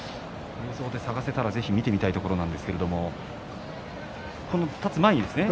映像で探せたらぜひ見てみたいところなんですが立つ前ですね。